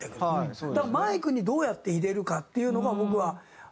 だからマイクにどうやって入れるかっていうのが僕は大事かな。